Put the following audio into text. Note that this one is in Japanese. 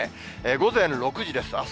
午前６時です。